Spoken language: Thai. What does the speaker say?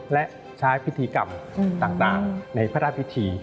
และใช้พิธีกรรมต่างในพระราชพิธี